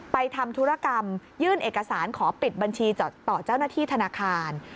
ทำธุรกรรมยื่นเอกสารขอปิดบัญชีต่อเจ้าหน้าที่ธนาคาร